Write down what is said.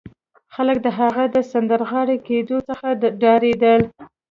خلک د هغه د سندرغاړي کېدو څخه ډارېدل